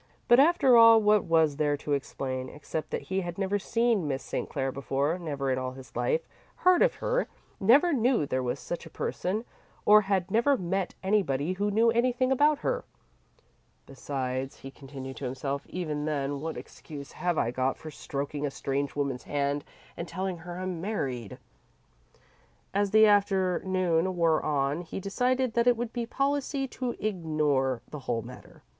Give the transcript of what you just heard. But after all what was there to explain, except that he had never seen Miss St. Clair before, never in all his life heard of her, never knew there was such a person, or had never met anybody who knew anything about her? "Besides," he continued to himself "even then, what excuse have I got for stroking a strange woman's hand and telling her I'm married?" As the afternoon wore on, he decided that it would be policy to ignore the whole matter.